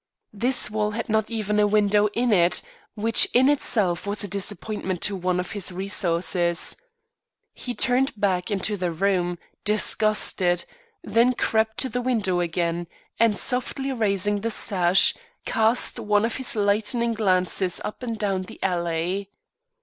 This wall had not even a window in it; which in itself was a disappointment to one of his resources. He turned back into the room, disgusted; then crept to the window again, and, softly raising the sash, cast one of his lightning glances up and down the alley.